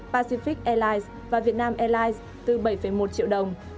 pacific airlines và việt nam airlines từ bảy một triệu đồng